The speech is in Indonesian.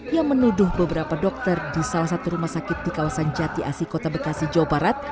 yang menuduh beberapa dokter di salah satu rumah sakit di kawasan jati asi kota bekasi jawa barat